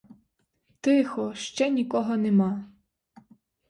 Тихо, ще нікого нема.